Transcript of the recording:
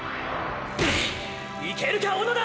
いけるか小野田！！